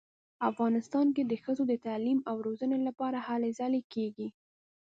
افغانستان کې د ښځو د تعلیم او روزنې لپاره هلې ځلې کیږي